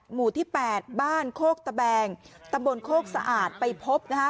หมู่ที่๘บ้านโคกตะแบงตำบลโคกสะอาดไปพบนะฮะ